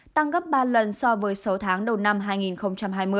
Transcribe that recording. tăng gấp ba lần so với sáu tháng đầu năm hai nghìn hai mươi